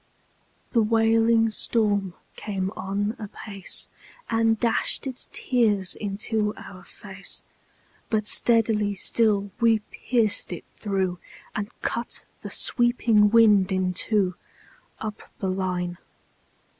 The wailing storm came on apace, And dashed its tears into our fade; But steadily still we pierced it through, And cut the sweeping wind in two, Up the line.